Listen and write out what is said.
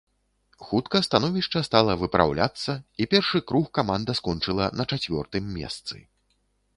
Хутка становішча стала выпраўляцца, і першы круг каманда скончыла на чацвёртым месцы.